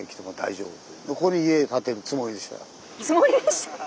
つもりでした